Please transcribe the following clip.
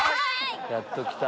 やっときた。